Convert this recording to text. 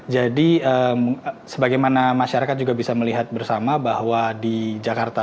jadi sebagaimana masyarakat juga bisa melihat bersama bahwa di jakarta